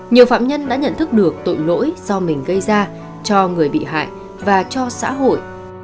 nhiều phạm nhân đã nhận thức được tội lỗi do mình gây ra cho người bị hại và cho xã hội